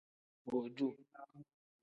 Boduu.